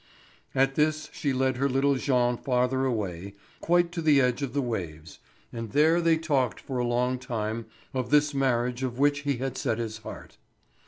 At this she led her little Jean farther away, quite to the edge of the waves, and there they talked for a long time of this marriage on which he had set his heart.